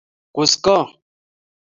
kuskong